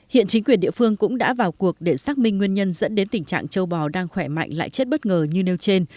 hiện chính quyền địa phương cũng đã vào cuộc để xác minh nguyên nhân dẫn đến tình trạng châu bò đang khỏe mạnh lại chết bất ngờ như nêu trên